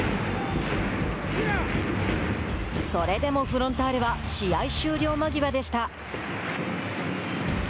それでもフロンターレは試合終了間際でした。